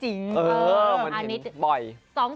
เออมันเห็นบ่อย